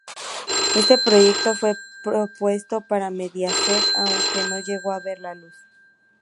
Este proyecto fue propuesto para Mediaset aunque no llegó a ver la luz.